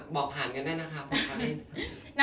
บอกผ่านกันได้นะคะ